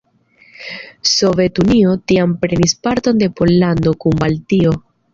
Sovetunio tiam prenis parton de Pollando kun Baltio.